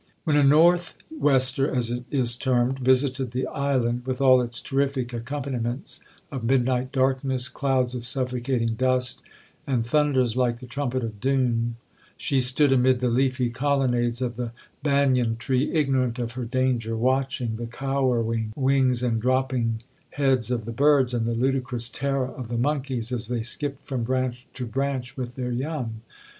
'When a north wester, as it is termed, visited the island, with all its terrific accompaniments of midnight darkness, clouds of suffocating dust, and thunders like the trumpet of doom, she stood amid the leafy colonnades of the banyan tree, ignorant of her danger, watching the cowering wings and dropping heads of the birds, and the ludicrous terror of the monkies, as they skipt from branch to branch with their young.